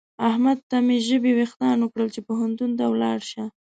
احمد ته مې ژبې وېښتان وکړل چې پوهنتون ته ولاړ شه.